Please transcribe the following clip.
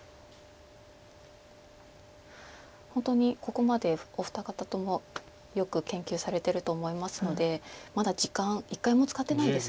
本当にここまでお二方ともよく研究されてると思いますのでまだ時間一回も使ってないです。